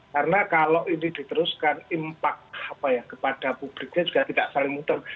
karena kalau ini diteruskan impact apa ya kepada publiknya juga tidak saling muter